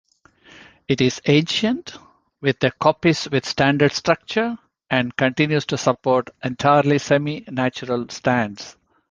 It is ancient, with a coppice-with-standards structure and continues to support entirely semi-natural stands.